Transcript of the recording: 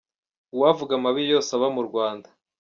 Uwavuga amabi yose aba mu Rwanda